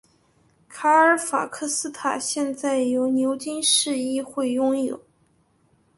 卡尔法克斯塔现在由牛津市议会拥有。